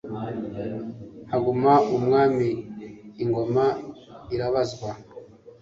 haguma umwami, ingoma irabazwa